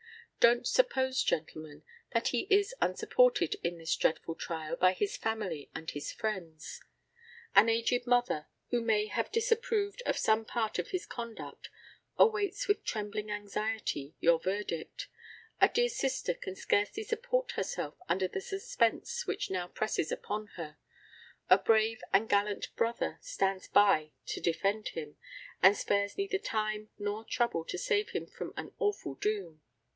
Don't suppose, gentlemen, that he is unsupported in this dreadful trial by his family and his friends. An aged mother, who may have disapproved of some part of his conduct, awaits with trembling anxiety your verdict; a dear sister can scarcely support herself under the suspense which now presses upon her; a brave and gallant brother stands by him to defend him, and spares neither time nor trouble to save him from an awful doom.